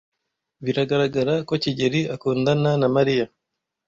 Biragaragara ko kigeli akundana na Mariya.